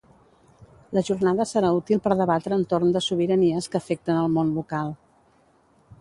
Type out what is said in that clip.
La jornada serà útil per debatre entorn de sobiranies que afecten el món local